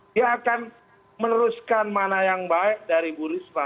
dia akan meneruskan mana yang baik dari bu risma